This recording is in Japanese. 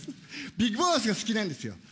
ビッグボスが好きなんですよ。